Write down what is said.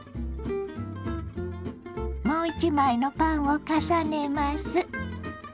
もう一枚のパンを重ねます。